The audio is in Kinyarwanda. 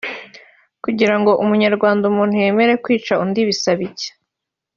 Kugira ngo umunyarwanda/umuntu yemere kwica undi bisaba iki